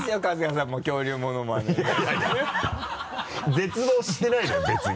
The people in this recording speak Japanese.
絶望してないのよ別に。